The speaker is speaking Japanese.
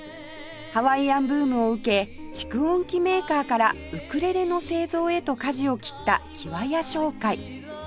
ハワイアンブームを受け蓄音機メーカーからウクレレの製造へと舵を切ったキワヤ商会